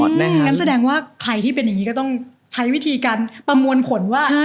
งั้นแสดงว่าใครที่เป็นอย่างนี้ก็ต้องใช้วิธีการประมวลผลว่า